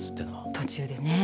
途中でね。